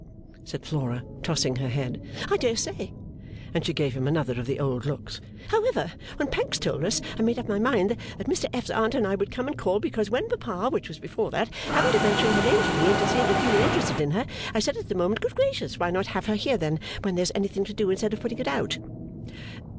said Flora, tossing her head. 'I dare say!' and she gave him another of the old looks. 'However when Pancks told us I made up my mind that Mr F.'s Aunt and I would come and call because when papa which was before that happened to mention her name to me and to say that you were interested in her I said at the moment Good gracious why not have her here then when there's anything to do instead of putting it out.